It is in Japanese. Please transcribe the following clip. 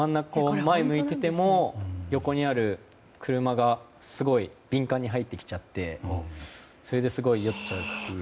前を向いていても横にある車がすごい敏感に入ってきちゃってそれですごい酔っちゃうという。